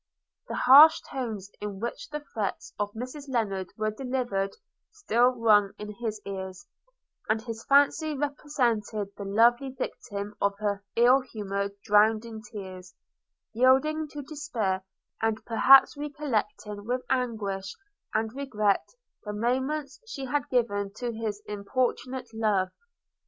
The harsh tones in which the threats of Mrs Lennard were delivered still rung in his ears; and his fancy represented the lovely victim of her ill humour drowned in tears, yielding to despair, and perhaps recollecting with anguish and regret the moments she had given to his importunate love.